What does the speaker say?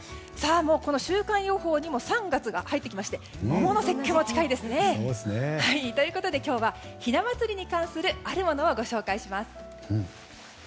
もう週間予報にも３月が入ってきて桃の節句も近いですね。ということで今日はひな祭りに関するあるものをご紹介します。